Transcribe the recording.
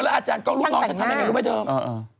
เออแล้วอาจารย์กล้องลูกน้องฉันทำอย่างไรรู้ไหมเจ้า